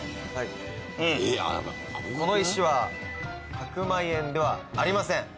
この石は１００万円ではありません。